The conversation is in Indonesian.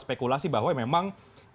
spekulasi bahwa memang